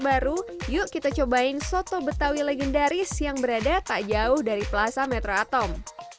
baru yuk kita cobain soto betawi legendaris yang berada tak jauh dari plaza metro atom